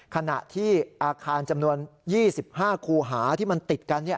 ขณะที่อาคารจำนวน๒๕คูหาที่มันติดกัน